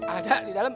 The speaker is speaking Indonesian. ada di dalam